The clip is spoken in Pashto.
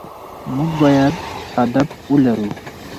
مونږ بايد هدف ولرو